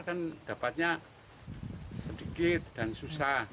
kan dapatnya sedikit dan susah